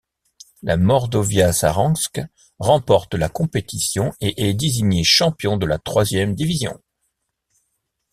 Le Mordovia Saransk remporte la compétition et est désigné champion de la troisième division.